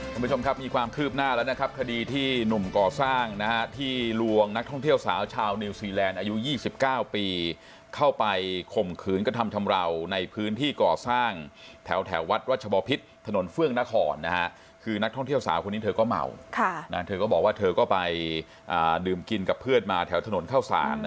คุณผู้ชมครับมีความคืบหน้าแล้วนะครับคดีที่หนุ่มก่อสร้างนะฮะที่ลวงนักท่องเที่ยวสาวชาวนิวซีแลนด์อายุ๒๙ปีเข้าไปข่มขืนกระทำชำราวในพื้นที่ก่อสร้างแถววัดรัชบพิษถนนเฟื่องนครคือนักท่องเที่ยวสาวคนนี้เธอก็เมาเธอก็บอกว่าเธอก็ไปดื่มกินกับเพื่อนมาแถวถนนเข้าสาร